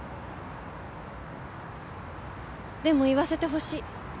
でも言わせてほしい。